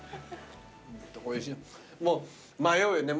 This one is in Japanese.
もう迷うよね